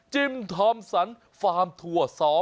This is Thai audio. จิมธอมสรรค์ฟาร์มทัวร์๒๕๖๑